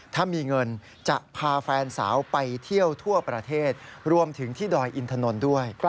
ถ้ามีเงินจะพาแฟนสาวไปเที่ยวทั่วประเทศรวมถึงที่ดอยอินทนนท์ด้วย